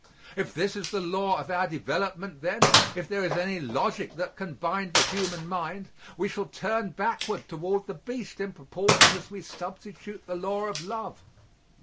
If this is the law of our development then, if there is any logic that can bind the human mind, we shall turn backward toward the beast in proportion as we substitute the law of love.